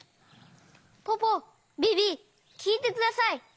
ポポビビきいてください！